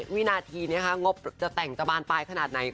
วินาทีนี้งบจะแต่งจะบานปลายขนาดไหน